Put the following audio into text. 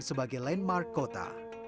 sebagai landmark kota